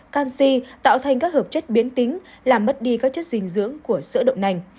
canxi tạo thành các hợp chất biến tính làm mất đi các chất dinh dưỡng của sữa độc nành